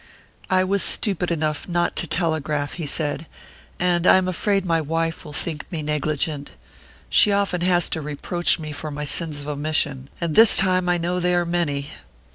"I was stupid enough not to telegraph," he said, "and I am afraid my wife will think me negligent: she often has to reproach me for my sins of omission, and this time I know they are many."